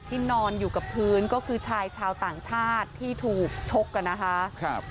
นอนอยู่กับพื้นก็คือชายชาวต่างชาติที่ถูกชกกันนะคะครับ